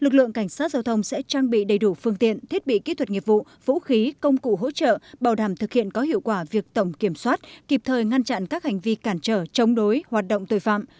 lực lượng cảnh sát giao thông sẽ trang bị đầy đủ phương tiện thiết bị kỹ thuật nghiệp vụ vũ khí công cụ hỗ trợ bảo đảm thực hiện có hiệu quả việc tổng kiểm soát kịp thời ngăn chặn các hành vi cản trở chống đối hoạt động tội phạm